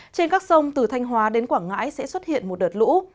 trên các sông từ thanh hóa đến quảng ngãi sẽ xuất hiện một đợt lũ